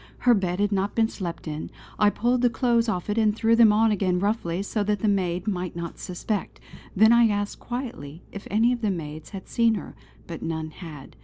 Her bed had not been slept in; I pulled the clothes off it and threw them on again roughly so that the maid might not suspect. Then I asked quietly if any of the maids had seen her; but none had.